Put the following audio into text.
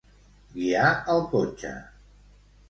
Guiar el cotxe.